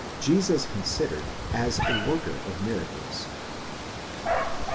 JESUS CONSIDERED AS A WORKER OF MIRACLES.